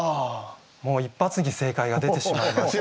もう一発に正解が出てしまいました。